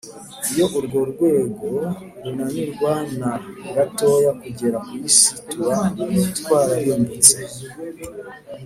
iyo urwo rwego runanirwa na gatoya kugera ku isi, tuba twararimbutse